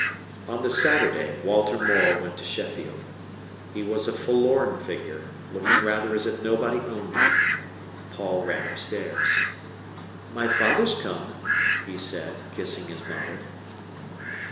On the Saturday Walter Morel went to Sheffield. He was a forlorn figure, looking rather as if nobody owned him. Paul ran upstairs. "My father's come," he said, kissing his mother.